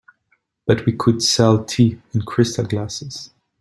But we could sell tea in crystal glasses.